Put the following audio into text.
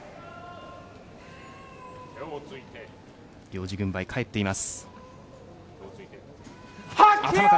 行司軍配、返っています。